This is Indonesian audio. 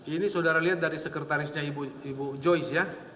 ini saudara lihat dari sekretarisnya ibu joyce ya